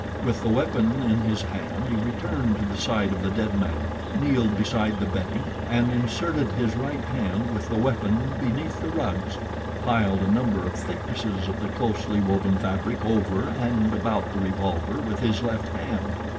With the weapon in his hand he returned to the side of the dead man, kneeled beside the bedding, and inserted his right hand with the weapon beneath the rugs, piled a number of thicknesses of the closely woven fabric over and about the revolver with his left hand.